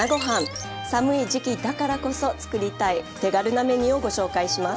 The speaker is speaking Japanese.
寒い時期だからこそ作りたい手軽なメニューをご紹介します。